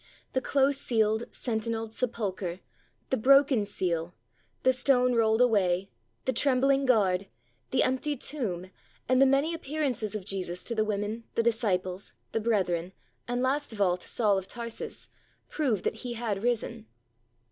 The close sealed, sentinelled sepulchre, the broken seal, the stone rolled away, the trembling guard, the empty tomb, and the many appearances of Jesus to the women, the disciples, the brethren, and last of all to Saul of Tarsus, prove that He had risen.